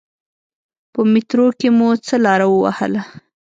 په میترو کې مو څه لاره و وهله.